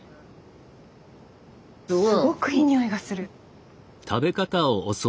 すごくいい匂いがする。